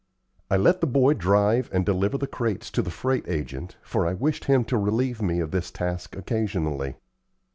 I let the boy drive and deliver the crates to the freight agent, for I wished him to relieve me of this task occasionally.